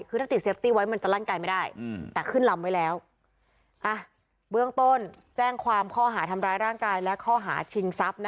คือถ้าติดเซฟตี้ไว้มันจะร่างกายไม่ได้